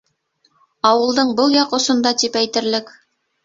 Ауылдың был яҡ осонда тип әйтерлек.